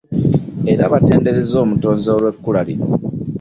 Era batendereza omutonzi olw'ekula lino.